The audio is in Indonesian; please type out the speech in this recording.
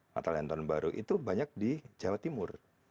natalianton baru itu banyak di jawa timur